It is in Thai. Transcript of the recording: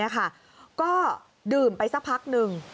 ก็ดื่มไปสักพักหนึ่ง